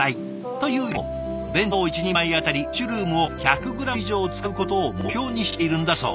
というよりも弁当１人前あたりマッシュルームを１００グラム以上使うことを目標にしているんだそう。